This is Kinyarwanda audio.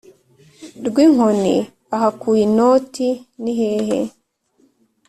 rwinkoni ahakuye inoti ni hehe